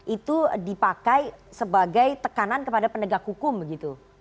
itu dipakai sebagai tekanan kepada penegak hukum begitu